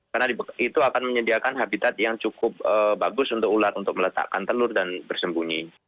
karena itu akan menyediakan habitat yang cukup bagus untuk ular untuk meletakkan telur dan bersembunyi